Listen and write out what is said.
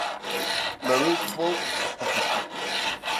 Meru folklore indicates that the Galla were linked to groups of forest hunters.